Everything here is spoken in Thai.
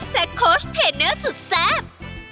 และโค้ชเทเนอกสุดแซม